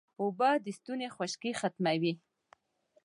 اوبه د ستوني خشکي ختموي